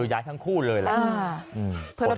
ย้ายทั้งคู่เลยแหละ